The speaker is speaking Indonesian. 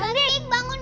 bang dik bangun